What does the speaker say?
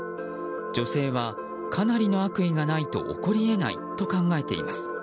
女性は、かなりの悪意がないと起こり得ないと考えています。